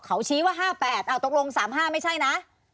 เขาชี้ว่า๕๘ตกลง๓๕ไม่ใช่นะ